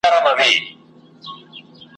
د خپل ځان او کورنۍ لپاره `